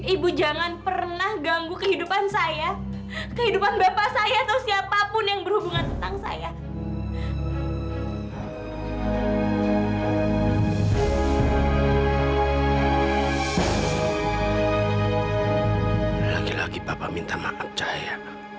ibu jangan pernah ganggu kehidupan saya kehidupan bapak saya atau siapapun yang berhubungan tentang saya